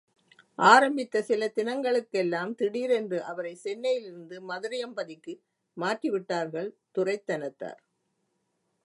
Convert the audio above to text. ஆரம்பித்த சில தினங்களுக் கெல்லாம், திடீரென்று அவரைச் சென்னையிலிருந்து மதுரையம்பதிக்கு மாற்றிவிட்டார்கள் துரைத்தனத்தார்.